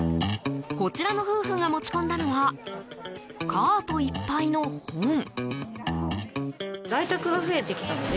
こちらの夫婦が持ち込んだのはカートいっぱいの本。